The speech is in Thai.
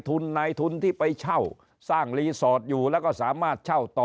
นายทุนที่ไปเช่าสร้างรีสอร์ทอยู่แล้วก็สามารถเช่าต่อ